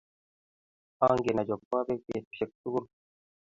Angen achop popek petusiek tugul